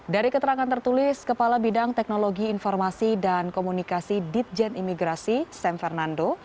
dari keterangan tertulis kepala bidang teknologi informasi dan komunikasi ditjen imigrasi sam fernando